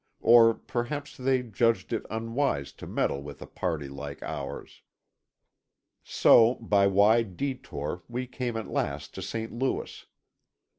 Or perhaps they judged it unwise to meddle with a party like ours. So, by wide detour, we came at last to St. Louis.